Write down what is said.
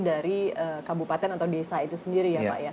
dari kabupaten atau desa itu sendiri ya pak ya